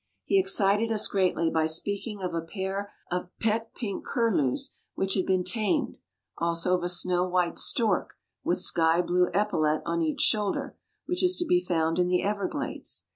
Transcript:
He excited us greatly by speaking of a pair of pet pink curlews which had been tamed; also of a snow white stork, with sky blue epaulet on each shoulder, which is to be found in the everglades.